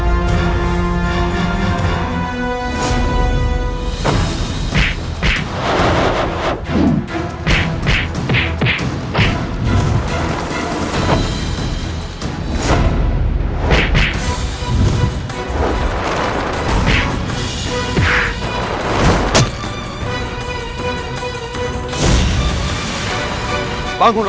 aku akan menangkapmu